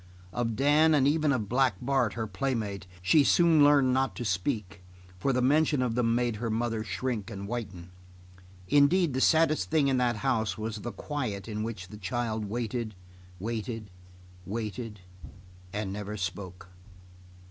Of Dan and even of Black Bart, her playmate she soon learned not to speak, for the mention of them made her mother shrink and whiten. Indeed, the saddest thing in that house was the quiet in which the child waited, waited, waited, and never spoke.